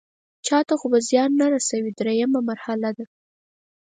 چاته خو به زیان نه رسوي دریمه مرحله ده.